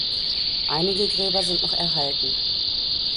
Einige Gräber sind noch erhalten.